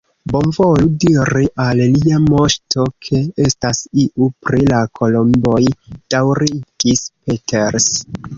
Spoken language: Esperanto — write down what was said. Bonvolu diri al Lia Moŝto, ke estas iu pri la kolomboj, daŭrigis Peters.